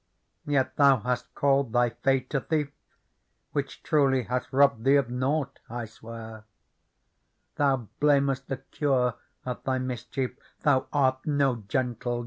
Yet thou hast called thy fate a thief, Which truly hath robbed thee of nought, I swear ; Thou blamest the cure of thy mischief; Thou art no gentle jeweller."